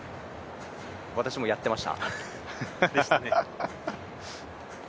私もやってました。